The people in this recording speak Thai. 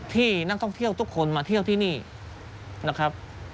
ที่นักท่องเที่ยวทุกคนมาเที่ยวที่นี่นะครับ